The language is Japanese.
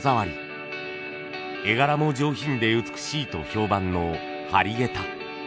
絵柄も上品で美しいと評判の張下駄。